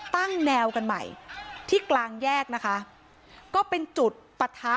ตั้งแนวกันใหม่ที่กลางแยกนะคะก็เป็นจุดปะทะ